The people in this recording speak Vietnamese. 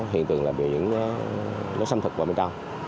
hiện tượng là biển nó xâm thực vào bên trong